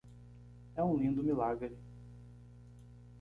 É um lindo milagre.